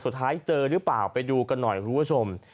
เจอหรือเปล่าไปดูกันหน่อยคุณผู้ชม